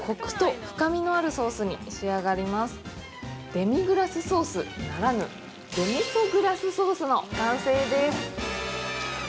デミグラスソースならぬデミソグラスソースの完成です。